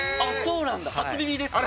初耳です！